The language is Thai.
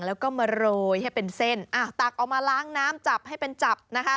แล้วก็มาโรยให้เป็นเส้นอ่าตักออกมาล้างน้ำจับให้เป็นจับนะคะ